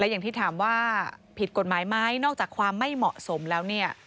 อย่างที่ถามว่าผิดกฎหมายไหมนอกจากความไม่เหมาะสมแล้วเนี่ย